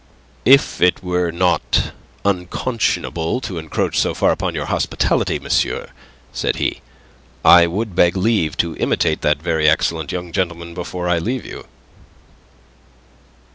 "If it were not unconscionable to encroach so far upon your hospitality, monsieur," said he, "I would beg leave to imitate that very excellent young gentleman before I leave you."